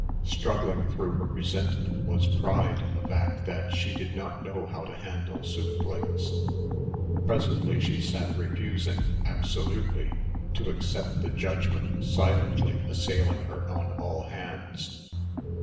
Struggling through her resentment was pride in the fact that she did not know how to handle soup plates. Presently she sat refusing absolutely to accept the judgment silently assailing her on all hands.